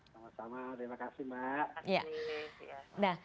sama sama terima kasih mbak